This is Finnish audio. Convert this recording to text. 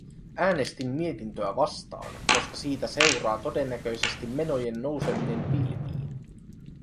Äänestin mietintöä vastaan, koska siitä seuraa todennäköisesti menojen nouseminen pilviin.